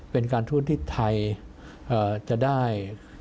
เป็นการทูตที่ไทยจะได้